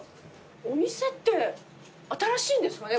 お店って新しいんですかね？